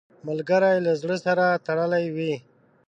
ملګری له زړه سره تړلی وي